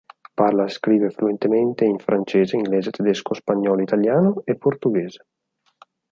Parla e scrive fluentemente in francese, inglese, tedesco, spagnolo, italiano e portoghese.